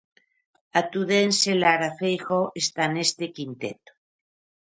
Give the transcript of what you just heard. A tudense Lara Feijóo está neste quinteto.